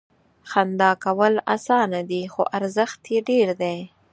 • خندا کول اسانه دي، خو ارزښت یې ډېر دی.